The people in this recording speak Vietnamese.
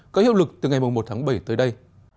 có hiệu lực từ ngày một tháng bảy tới đây